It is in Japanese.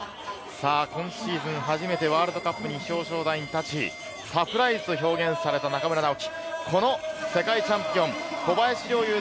今シーズン、初めてワールドカップの表彰台に立ち、サプライズと表現された中村直幹。